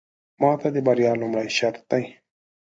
ماته د بريا لومړې شرط دی.